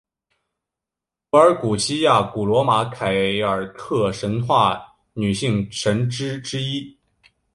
柏尔古希亚古罗马凯尔特神话女性神只之一。